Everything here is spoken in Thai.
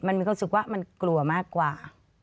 มันมีความรู้สึกว่ามันกลัวมากกว่า